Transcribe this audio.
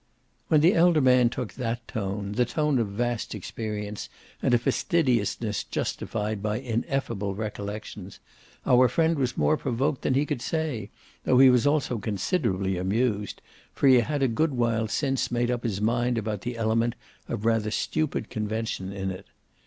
When the elder man took that tone, the tone of vast experience and a fastidiousness justified by ineffable recollections, our friend was more provoked than he could say, though he was also considerably amused, for he had a good while since, made up his mind about the element of rather stupid convention in it.